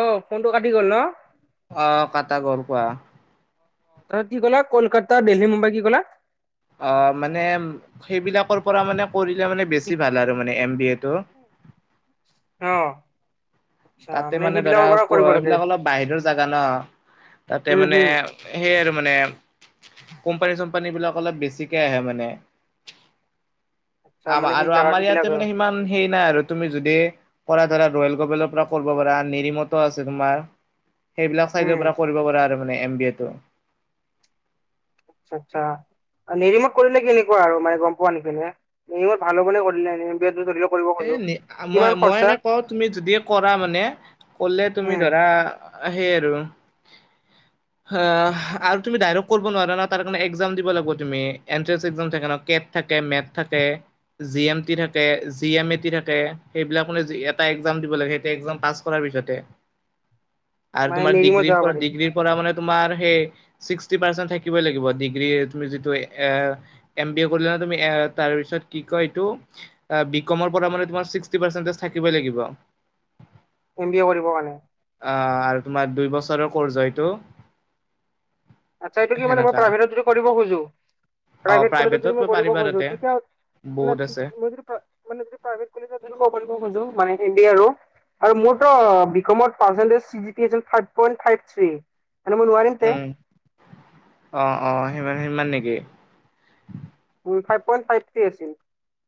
অ ফোনটো কাটি গল ন। অহ কাটা গ'ল কোৱা? অ কি ক'লা কলকাতা, দেল্লী, মুম্বাই কি ক'লা? অ মানে সেইবিলাকৰ পৰা মানে কৰিলে মানে বেছি ভাল আৰু মানে এম বি এটো। [inaudible] অ। আচ্ছা তাতে মানে ধৰা সেইবিলাকৰ পৰা কৰিব লাগে এইবিলাক অলপ বাহিৰৰ জাগা ন তাতে উম মানে হম সেই আৰু মানে কোম্পানী -চোম্পানীবিলাক অলপ বেছিকে আহে মানে। আচ্ছা আম মানে সেই আৰু জাগা আমাৰ ইয়াতে বিলাক মানে সিমান সেই নাই আৰু তুমি যদি কৰা ধৰা ৰয়েল গবেলৰ পৰা কৰিব পাৰা, নিৰিমত আছে তোমাৰ, সেইবিলাক চাইডৰ উম পৰা কৰিব পাৰা আৰু। মানে এম বি এ টো। আচ্ছা। নিৰিমত কৰিলে কেনেকুৱা আৰু মানে গম পোৱা নেকি, নিৰিমত ভাল হ'ব নে কৰিলে নি এ নি মই মই এনে কওঁ তুমি যদি কৰা মানে কলে তুমি উম ধৰা। সেই আৰু। আৰু তুমি ডাইক্ট কৰিব নোৱাৰা ন তাৰ কাৰণে এক্সাম দিব লাগিব তুমি এনট্ৰেন্ এক্সাম থাকে ন। কেট থাকে, মেট থাকে, জি এম টি থাকে। দি এ মেন্টি থাকে সেইবিলাক এটা এক্সাম দিব লাগে এতিয়া এক্সাম পাছ কৰা পিছত হে। [inaudible] আৰু মানে তোমাৰ নেৰিমত ডিগ্ৰীৰ যাব পৰা পাৰিম ডিগ্ৰীৰ পৰা মানে তোমাৰ সেই ছিক্সটি পেচেণ্ট থাকিবই লাগিব ডিগ্ৰী তুমি যিটো এ এম বি এছ কৰিলা। তুমি তাৰপিছত কি কয় এইটো বি কমৰ পৰা মানে তোমাৰ ছিক্সটি পাৰ্চেণ্টিজ থাকিবই লাগিব। এম বি এ কৰিবৰ কাৰণে। অ আৰু তোমাৰ দুই বছৰৰ ক'ৰ্চ হয় এইটো। আচ্ছা এইটো কি মানে মই সেনেকা প্ৰাইভেটত যদি কৰিব খোজোঁ। অ প্ৰাইভেট কলেজত প্ৰাইভেটত যদি মই পঢ়িব পাৰিবা খুজিছোঁ তাতে তেতিয়া বহুত আছে মই যদি মানে দি প্ৰাইভেট কলেজত কৰিব খুজোঁ মানে হিন্দী আৰু। আৰু মোৰতো বিকমত পাৰ্চন্টেজ চেভেন্ত্ৰি [inaudible] পইভ থ্ৰী ননে মোৱাৰতে [inaudible] উম অ অ সিমান সিমান নেকি? ফাইপ পইন ফাইপ থ্ৰি আছিল।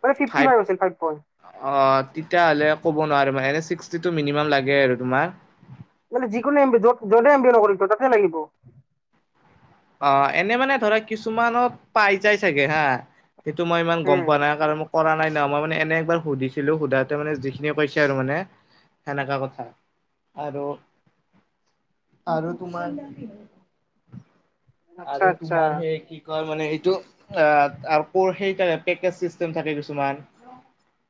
মানে ফিফটি ফাইভ আছিল পইণ্ট অ তেতিয়া হ'লে কব কব নোৱাৰিম এনে ছিক্সটি টো মিনিমাম লাগে আৰু তোমাৰ। মানে যিকোনে এম বি য'ত য'তে এম বি নকৰি ত ততে লাগিব। অ এনে মানে ধৰা কিছুমানত পাই যাই চাগে হা। সেইটো মই ইমান গম উম পোৱা নাই কাৰণ মোক। কৰা নাই ন মই মানে এনে একবাৰ সুধিছিলো সোধাতে মানে যিখিনিয়ে কৈছে আৰু মানে সেনেকা কথা আৰু আৰু তোমাৰ আচ্ছা আৰু আচ্ছা তোমাৰ সেই কি মানে এইটো আকৌ সেইকাৰণে চেকেট থাকে কিছুমান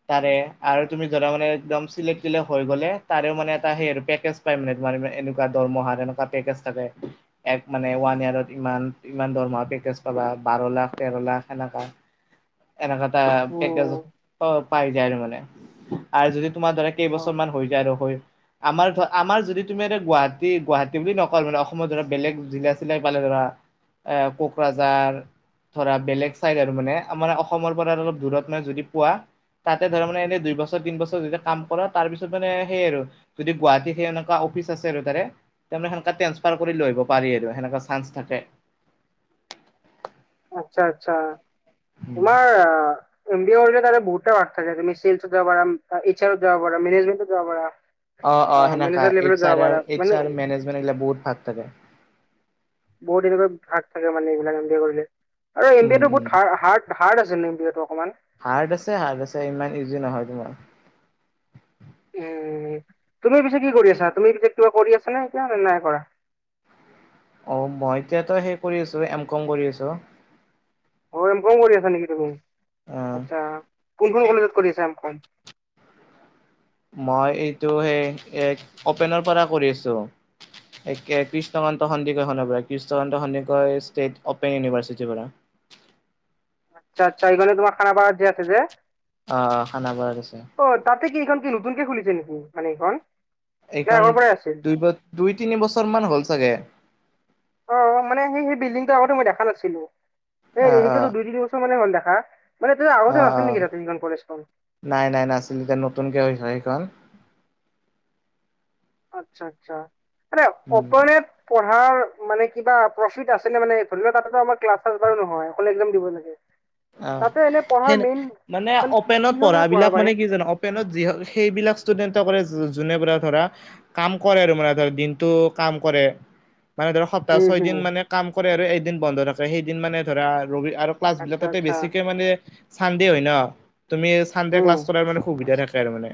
তাৰে আৰু তুমি ধৰা মানে একম চ্িল হৈ গলে তাৰে মানে এটা সেেজ পাই এনেকো দৰমহাৰ এনেকোৱা টেকেচ থাকেএক মানে ওৱন ইয়েৰত ইমান ইমান দৰমহা পেকেজ পাবা বাৰ লাখ তেৰ লাখ সেনেকা। এনেকুৱা এটা উম পেকেজত পাই যায় আৰু মানে আৰু যদি তোমাৰ ধৰা কেইবছৰ অ' মান হৈ যায় আৰু হৈ আমাৰ ধ আমাৰ যদি তুমি এতি গুৱ গুৱাহাটী বুলি নকয় মানে অসমত ধৰা বেলেগ জিলা চিলাই পালে ধৰা আহ কোকৰাঝাৰ ধৰা বেলেগ চাইড আৰু মানে আমাৰ অসমৰ পৰা অলপ দূৰত মানে যদি পোৱা। তাতে ধৰ মানে এনে দুই বছৰ তিন বছৰ যেতিয়া কাম কৰা তাৰ পিছত মানে সেই আৰু যদি গুৱাহাটীত স এনেকুৱা অফিচ আছে আৰু তাৰেে সে ট্ৰেসফাৰ কৰি লৈ আহিব পাৰি আৰুে- চা্স থাকে। আচ্ছা আচ্ছা তোমাৰ বুত বাৰাকায় তুমিেল যাবাৰা এই আৰ দ যাব পাৰা মেনেজমট যাব পাৰা। অ অ সেনেককা মেনেজাৰ ইট লেভেলত যাব পাৰা মানে ইটছ আৰ মেনেজমেট বহুত ভাগ থাকে। বহুত এনেুৱ ভাগ থাকে মানে এইবিলাক এ বি এ কৰিলে আৰু এম বি উম এ টো উম বহুত হাৰ্ড আছে। [unintelligible] হাৰ্ড আছে হাৰ্ড আছে ইমান ইজি নহয় তোমাৰ। উ তুমি পিছে কি কৰি আছা তুমি পিছে কিবা কৰি আছা নে এতিয়া নে নাই কৰা। [inaudible] অ মই এতিয়াতো সেই কৰি আছো এম কম কৰি আছো। অ এম কম কৰি আছ নেকি তুমি অ আচ্ছা। কোনখনোন কলেজত কৰিছে এখন মই এইটো সেই অপেনৰ পৰা কৰি আছো এক কৃষ্ণকান্ত সন্দিকৰখনৰ পৰা কৃষ্ণকান্ত সন্দিকৰ ষ্টেট অপেন ইউনিভাৰ্চিটিৰ পৰা আচ্ছা আচ্ছা এইখণে তোমাৰ খানা পাৰ যে আছে যে অ অ খান বাৰত আছে অ তাতে এইখন কি নতনকে খুলিছে নেকি মান এইখন নে এইখন আগৰ পৰাই আছিল দু দুই তিনি বছৰমানান হ'ল চাগে অ মানে সেই সেই বিল্ডিংটো আগতে মই দেখা নাছিলো এ অ অ এনেটোতো দুই তিনি বছৰ মানে হল দেখা মানে আগতে অ ন আছিল অ নেকি এ তিনিজন কলেেশখন নাই নাই নাছিল এতিয়া নতুনকে হৈ হৈছে সেইখন [unintelligible] আচ্ছা আচ্ছা এ উম অপৰে পঢ ম কিবা প্ৰফিত আছে মানে ধ ল তাো আমাৰ্লাছ বাৰ নহয়্ দিব লাগে অ তাতে এনে পঢ়াৰ সেইনে মেইন মানে কি অপেনত কিহৰ পঢ়া কাৰণে বিলাক পাৰে মানে কি জানো অপেনত যি সেইবিলাক কৰে যোনে প ধৰা কাম কৰে আৰু মানে ধ দিনটো কাম কৰে মানে ধৰ সপ্তাহ হম ছয় দিন মানে হম কাম কৰে আৰু এদিন বন্ধ থাকে সেইদিন মানে ধৰা ৰবি আৰু ক্লাছ বিলাক আচ্ছা তাতে আচ্ছা বেছিকে মানে চানডে হয় ন তুমি চানডে ক্লাছ উম কৰাৰ মানে সুবিধা থাকে আৰু মানে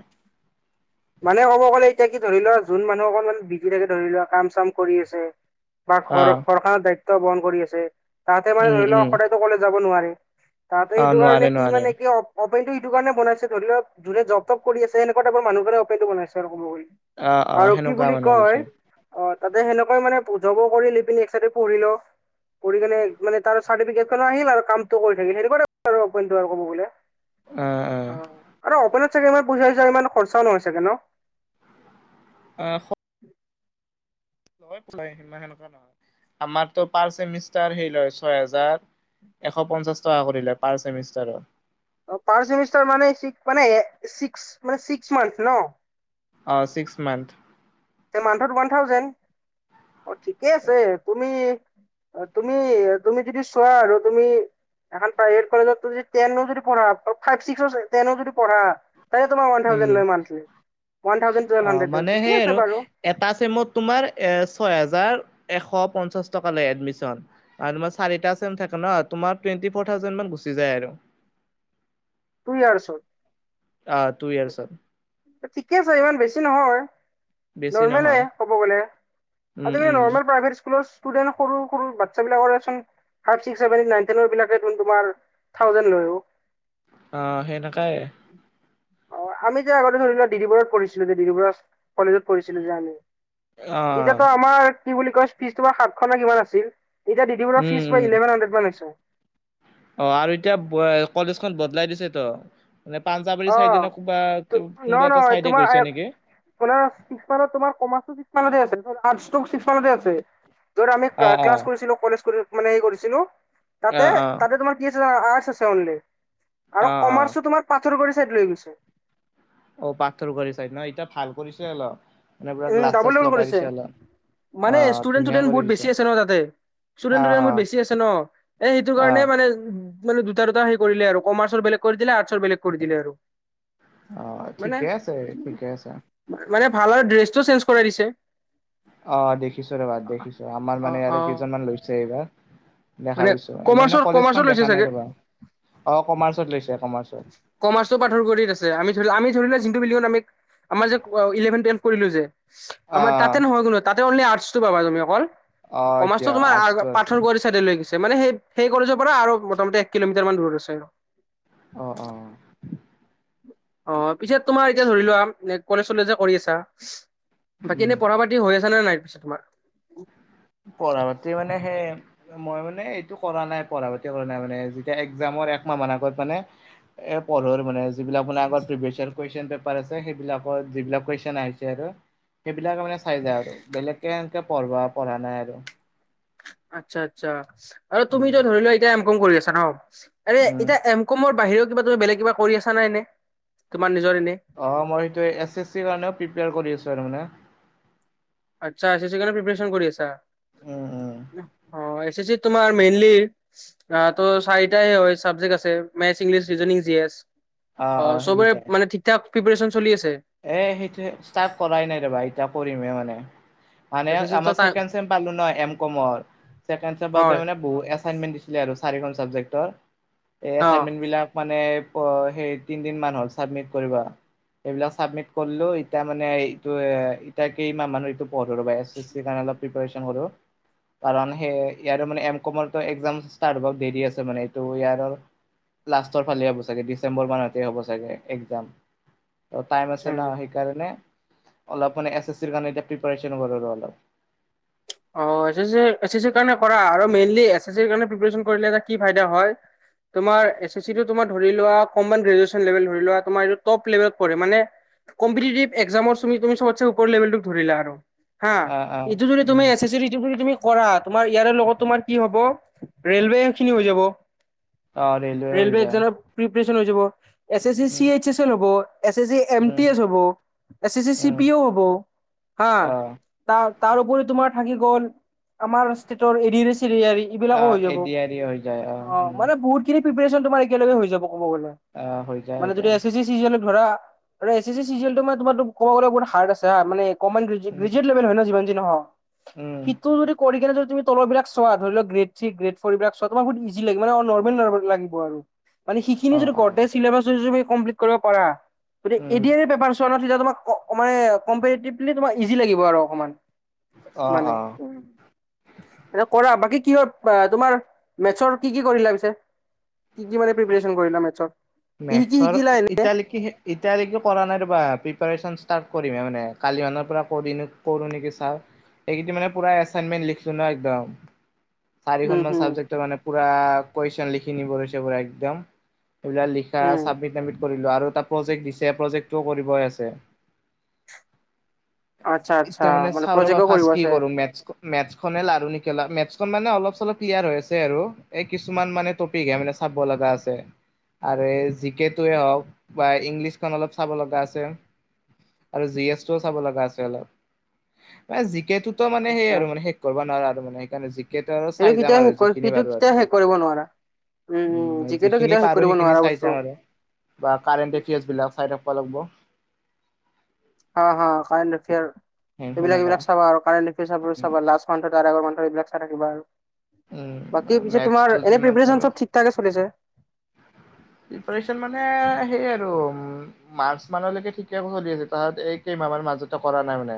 মানে ক'ব গ'লে এতিয়া কি ধৰি লোৱা যোন মানুহ অকনমান বিজি থাকে ধৰি লোৱা কাম চাম কৰি আছে বা ঘৰ অ', ঘৰখনৰ দায়িত্ব বহন কৰি আছে তাহতে মানে উম, ধৰি উম, লওক সদায়তো কলে যাব নোৱাৰে তাতে অ', সেইটো কাৰণে নোৱাৰে কি নোৱাৰে মানে কি অপেনটো সেইটো কাৰণে বনাইছে ধৰি লওক যোনে জব জপ কৰি আছে এনেকুৱাটা মানুহৰে অপটো বনাই আৰু ক'ব অ', অ', আৰু কি সেনেকুৱা বুলি মানে পিছত কয় অ', অ তাতে সেনেকা ই মানে যব কৰি লি পিনি এক্সাইডে পঢ়ি ল কৰি কিনে মানে ত চাৰো আহিল আৰু কামটো কৰি থাকিল সেইটো কব বোলে অ আৰু অপনাথ চাগে ইমান পইচা হচা ইমান খৰচা নহয় চাগে ন আহ সিমান সেনেকুৱা নহয় আমাৰতো পাৰ চেমিষ্টাৰ হে লয় ছয় হোজাৰ এশ পঞ্চাশ টকা কৰি লয় পাৰ ছেমিষ্টাৰত পাৰ ছেমিষ্টাৰ মানে মানে মান ছিক্স মান ন অ ছিক্স মান্থত ওৱান থাউজেণ্ড অ ঠিকে আছে তুমি অ তুমি তুমি যদি চোৱা আৰু তুমি এখন প্ৰাইভেট কলেজত যদি টেনো যদি পঢ়া ফ ছিক্স ও যদি পঢ়া তাতে তোমাৰ ৱান উম থাউজেণ্ড লয় মান্থলি অ মানে সেই আছে আৰু বাৰু এটা চেমত তোমাৰ এ ছয় হেজাৰ এশ পঞ্চাছ টকা লয় এডমিশ্যন আৰু চাৰিটা ছেম থাকে ন টুৱেন্টি ফৌৰ থাউজেণ্ড মান মান গুচি যায় আৰু তুই আৰ্ছত অ টু ইয়াৰছত ঠিকে আছে ইমান বেছি নহয় বেছি নৰ্মেল নহয় ক'ব গ'লে আ উম উম নৰ্মেল প্ৰাইভে স্কুলৰ ষ্টুডেণ্ট সৰু সৰু বাচ্ছা বিলাকৰে চোন five six seven eight nine ten বিলাকে দেখোন তোমাৰ থাউজেণ্ড লয় অ অ সেই নেকাই অ আমি যে আগতে ধৰি লোৱা ডিদি বৰুৱাত কৰিছিলো যে ডিদি বৰুৱা কলেজত কৰিছিলো যে আমি অ এতিয়া তো আমাৰ কি বুলি কয় পিজ তোমাৰ সাত খ নে কিমান আছিল এতিয়া ডিব দি বৰুৱা ৰ উম ফিজ উম ইলেভন হাণ্ড্ৰেড মান হৈছে অ আৰু এতিয়া কলেজখন বদলাই দিছে তো মানে অ পাঞ্জাৱাৰী চাইডে ন কোবা কোনোবা এটা চাইডে গৈছে নেকি তোমাৰত তোমাৰ কমাৰ্চো মতে আছে আছে ধ আমি অ অ ক্লাছ কৰিছিলো কলেজ কৰি মানে কৰিছিলো অ অ তাতে তাতে তোমাৰ কি আছে আৰ্টচ আছে অনলি অ আৰু অ কমাৰ্চো তোমাৰ ত্তৰ পৰি চাইড লৈ গৈছে অ পাথৰ কৰি চাই ন এতিয়া ভাল কৰিছে অলপ মানে পুৰা উম গ্লাছ চাছ ডাবল ডাবল লগাই কৰিছে দিছে অলপ মানে অ ষ্টুডেণ্ট ধুনীয়া ষ্টুডেণ্ট কৰি বহুত বেছি দিছে আছে ন তাতে ষ্টুডেণ্ট অ টুডেণ্ট অ বহত বেছি আছে ন এ সেইটো অ কাৰণে মানে মানে দুটা দুটা সেই কৰিলে আৰু কমাৰ্চৰ বেলেগ কৰি দিলে আৰ্টচৰ বেলেগ কৰি দিলে আৰু অ মানে ঠিকে আছে ঠিকে আছে মানে ভাল আৰু ড্ৰেছটো চেঞ্জ কৰাই দিছে অ দেখিছো ৰবা অ দেখিছো আমাৰ অ মানে অ ই কেইজনমান লৈছে এইবাৰ দেখা মানে পাইছো এনে মানে কমাৰ্চৰ কলেজখন কমাৰ্চৰ লৈছে দেখা নাই চাগে ৰবা অ কমাৰ্চত লৈছে কমাৰ্চত কমাৰ্চো পথৰ কৰিত আছে আমি ধৰি আমি ধৰিলে লো আমাৰজে ইলেভে টোৱেলভ কৰিলো যে আম অ তাতে নয় তলি আৰ্টটো পাবা তুমি অকল অ কমাৰ্চো এতিয়া তোমাৰ আৰ্টচটো আছে পাৰঠন কৰি চাইডকে মানে সেই সেই কলেজৰ পৰা আৰু মোটামুটি এক কিলোমিটাৰ মান দূৰত আছে আৰু অ অ অ পিছে তোমাৰ এতিয়া ধৰি লোৱা কলেজ চলেজ কৰি আছা বাকী উম এনেই পঢ়া পাতি হৈ আছে নে নাই পিছে তোমাৰ পঢ়া পাতি মানে সেই মই মানে এইটো কৰা নাই পঢ়া পা কৰা নাই মানে যেতিয়া এক্জামৰ এক মাহান আগত মানে পঢ়ো মানে যিবিলাক মানে আগৰ কুৱেইছন পেপাৰ সেইবাক যিলাক কৰ আৰু সেইবিলাক মানে চাই য আৰু বেলেগ পঢ়বা পঢ়া নাই আৰু আচ্ছা আচ্ছা আৰু তুমি উম যে ধৰি লোৱা এতিয়া এম কম কৰি আছা ন আৰে উম এতিয়া এম কমৰ বাহিৰেও কিবা তুমি বেলেগ কিবা কৰি আছা নাই নে তোমাৰ নিজৰ এনে অ মই সেইটো এছ এছ চিৰ কাৰণেও প্ৰিপিয়াৰ কৰি আছো আৰু মানে আচছা চি চি কানে পিপ্ৰেৰেচন কৰি আছা উম উম তোমাৰ মেইনলি ত চাৰিটাই হয় চাবজেক্ট আছে maths English reasoning G S অ চবেৰে মানে ঠিক ঠাক প্ৰিপেৰেচন চলি আছে এ সেইটো ষ্টাৰ্ট কৰাই নাই ৰবা এতয়া কৰিমে মানে মানে এছ এছ চি আমাৰ ছেকে চেম পালো ন এম কমৰ ছেকেন চেম হয় বহু এছাইনমেন্ট দিছিলে আৰু চাৰিখন চাবজেক্টৰ এই অ'। এছাইনমেণ্টবিলাক মানে অ সে তিন দিন মান হ'ল চাবমিট কৰিব এইবিলাক চাবমিট কৰিলো ইতিয়া মানে এইটো এতাকেই মানৰ পদৰ পাই আছে চি চী কাৰণে অলপ প্ৰিপেৰেচন কৰো কাৰণ সেই ইয়াৰ মানে এম কমৰ একাম ৰ্ট হ দেৰি আছে মানে এইটো ইয়াৰ লাষ্টৰ ফালে হ'ব চাগে ডিচেম্বৰ মাহতে হ'ব চাগে একজাম টাইম আছে ন সেইকাৰণে অলপ মানে এছ এছ চিৰ কাৰণে এতিয়া প্ৰপেৰেচৰ্ন কৰো আৰু অলপ অ এছ এছ চি কাৰণ কৰা আৰু মেইনলি এ এছ কাৰণ প্ৰিপেৰেচন কৰিলে এটা কি ফাইদা হয় তোমাৰ এছ এছি টো তম ধৰিলোৱা কমন গেজুৱেছন লেবেল ধৰি লোৱা টপ লেবেলট মানে কম্পিটিটিভ এক্জামৰু তমি চবচে উপৰ লেভেলটোক ধৰিলা আৰু হা অ অ এইটো যদি তুমি উম এছ এছ তুমি কৰা তোমাৰ ইয়াৰে লগত তোমাৰ কি হব ৰেলোৱে খিনি হৈ যাব অ ৰেলৱে হৈ যায় [unintelligible] এ A um C M T um S হ'ব S A C C um P হ'ব হা অ ত তাৰ উপৰি তোমাৰ থাকি গ'ল আমাৰ ষ্টেটৰ এৰিৰে চিৰি এইবিলাকো হৈ যাব অ এডি আৰি হৈ যায় অ উম মানে বহুতখিনি পিপিয়েৰেচন তোমাৰ একেলগে হৈ যাব ক'ব গ'লে আহ হৈ যায় মানে হৈ যদি যায় এচ চি এছৰ ধৰা [unintelligible] হয় ন উম যিমান নহ উম সিটো যদি কৰিনে যদি তুমি তলৰবিলাক চোৱা ধৰি লও গেট থ্ৰী গ্ৰেট ফৰ বিলাক চোৱা তোমাৰ বহুত ইজি লাগিব মানে নৰ্মেল নৰ্ম লাগিব আৰু মানে সেইখিনি অ য অ ঘৰতে চবা কমপ্লিট কৰিব পাৰ গতি এ উম এডিয়াৰি পেপাৰ [unintelligible] তোমাক ইজি লাগিব আৰু অকণমান অ মানে অ এটো কৰা বাকী কি হয় তোমাৰ মেথছৰ কি কি কৰিলা পিছে কি কি মানে প্ৰিপেচন কৰিলা মেথছৰ শিকি মেথছৰ শিকিলা এনে ইটালী ইটালীকো কৰা নাই ৰবা প্ৰিপাৰ্যন ষ্টাৰ্ট কৰিমহে মানে কালিমানৰ পৰা কৰি কৰোঁ নেকি চাওঁ এইকেইদিন মানে পুৰা এছাইনমেণ্ট লিখিলো ন একদম উম চাৰিখন মান হম চাবজেক্ট মানে পুৰা কুৱেশন লিখি নিবদিছে পুৰা একদম এই বিল হম চাবমিট চাবমিট কৰিলো আৰু তাত প্ৰজেক্ট দিছে প্ৰজেক্টটো কৰিবই আছে আচ্ছা আচ্ছা এতিয়া মানে চাও ৰবা প্ৰজেক্টও ফাৰ্ষ্ট কৰিব কি আছে কৰো মেথছটো, মেথছখনে লাৰু কি মে মানে অলপ চলপ ক্লিয়াৰ হৈ আছে আৰু এই কিছুমান মানে টপিকে মানে চাব লগা আছে আৰু জি কে টোৱে হওক বা ইংলিছখন অলপ চাব লগা আছে আৰু জি এছটো চাব লগা আছে অলপ মানে জি কে টৌ ত মানে সেই আচ্ছা আৰু মান শেষ কৰিব নোৱাৰা মানে সেইকাৰণে ক্ৰিকট সেইটো চাই যাম কেতিয়াও আৰু শেষ কৰি যিখিনি সেইটো পাৰো আৰু উ কেতিয়াও শেষ কৰিব নোৱাৰা উম উম জিকেটো যিখিনি কেতিয়াও শেষ পাৰো কৰিব স খিনি নোৱাৰা চাই বস্তু যাম আৰু বা কাৰেন্টৰ কেজ বিলাক চাই যাব লাগিব। অ কাৰেণ্টৰ ফেয়াৰ এইবিলাক সেনেকা এইবিলাক চাবা আৰু কাৰেণ্ট ফয়াৰ লাষ্ট ম ৰ মানুহৰ এইবিলাক চাই থাকিবা আৰু বাকী উম পিছে তোমাৰ মেথছটো এনে যিমান পাৰো প্ৰিপেচন চব ঠিক ঠাকে চলিছে প্ৰিপাৰেচন মানে সেই আৰু মাৰ্চ মানলৈকে ঠিকে চলি আছে তাহ এই কেইমাহমান মাজতে কৰা নাই মানে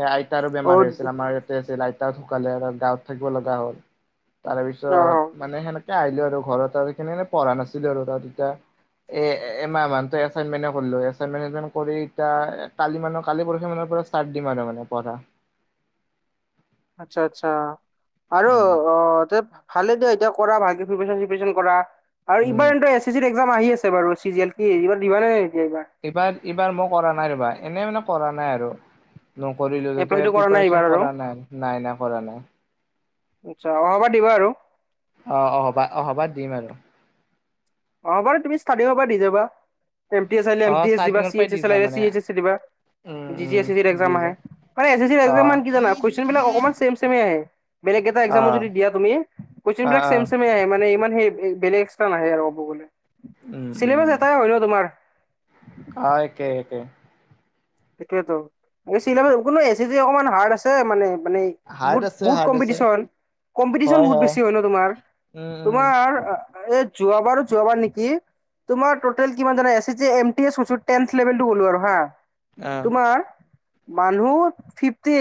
এ আইতাৰো অ বেমাৰ হৈছিল আমাৰ ইয়াতে আছিল আইতা ধুকালে আৰু গাঁৱত থাকিব লগা হ'ল। তাৰ অ পিছত মানে সেনেকে আহিলো আৰু ঘৰত আৰু স পঢ়া নাছিলো আৰু তাত তেতিয়া এ এমাহ এচাইনমেন্টে কৰিলো এচাইনমেণ্ট কৰি এতিয়া কালি মান কিৰা মান ষ্টাৰ দিম আৰু মানে পঢ়া আচ্ছা আচ্ছা আৰু উম অ যে ভালে দিয়া এতিয়া কৰা ভালকে প্ৰিপাৰেচন চিপাৰেচন কৰা আৰু উম ইবাৰ এ এ চি একাম আহি আছে বাৰু চিজিয়েল কি ইবাৰ দিবা নে এইবাৰ এইবাৰ মই কৰা নাই ৰবা এনে মানে কৰা নাই আৰু নকৰিলো যাতে এপ্লাইটো কৰা নাই এইবাৰ প্ৰিপাৰচন কৰা নাই নাই নাই কৰা নাই আচছা অহাবা দিবা আৰু অ অহবা অহবাত দিম আৰু অ বাৰু তুমি ষ্টডি হবা দি যাবা এমটি এ চ আহ অ এম এি এ ষ্টাৰ্টিঙৰ পৰাই এছ দি চি এ যাম মানে এ উম জি জি এ চি দিত উম একজাম দি আহে যাম মানে এ চি দি অ একজাম কি জানা কুৱেচন একদম চেম চেম এ আহে, এই কেইটা অ একজামো যদি দিয়া তুমি কুয়েচন অ বোৰ অ চেইম চেইময়েই আহে ইমান হেৰি নহয় বেলেগ এক্সটা নাহে আৰু ক'ব গলে উম চিলেবাছ এটাই হয় ন তোমাৰ, আহ একে একে সেইটোয়েতো চিলাব কোনো এ চি জি অকমান হাৰ্ড আছে মানে মানে হাৰ্ড বহুত আছে বহুত হাৰ্ড আছে কম্পিটিশন কম্পিটিশন বহুত বেছি হয় ন তোমাৰ উম উম তোমাৰ এই যোৱাবাৰো যোৱাবাৰ নেকি তোমাৰ টুটেল কিমান জানো S A G M P S কৈছো টেন্ট লেভেল টো ওলিওৱা হা, অ তোমাৰ মানুহ ফিপটি,